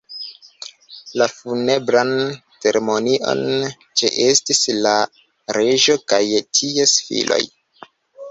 La funebran ceremonion ĉeestis la reĝo kaj ties filoj.